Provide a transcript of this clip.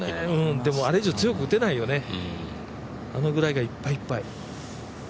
でもあれ以上強く打てないよね、あのぐらいがいっぱいいっぱい。